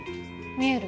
見える。